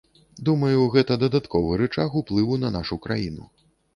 Думаю, гэта дадатковы рычаг уплыву на нашу краіну.